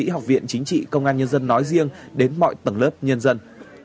học viện chính trị công an nhân dân nói riêng đến mọi tầng lớp nhân dân